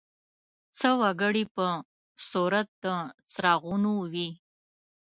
څه وګړي په صورت د څراغونو وي.